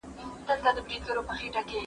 هیڅوک باید په ټولنه کي سپک نه سي.